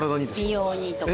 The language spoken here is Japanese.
美容にとか。